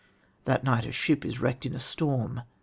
The next night a ship is wrecked in a storm.